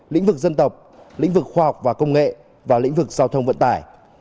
lĩnh vực dân tộc lĩnh vực khoa học và công nghệ và lĩnh vực giao thông vận tải